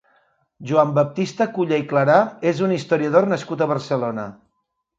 Joan Baptista Culla i Clarà és un historiador nascut a Barcelona.